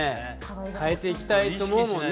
変えていきたいと思うもんね。